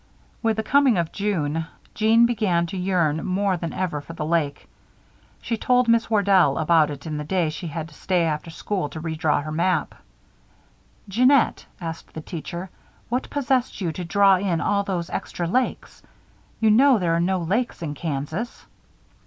With the coming of June, Jeanne began to yearn more than ever for the lake. She told Miss Wardell about it the day she had to stay after school to redraw her map. "Jeannette," asked the teacher, "what possessed you to draw in all those extra lakes? You know there are no lakes in Kansas."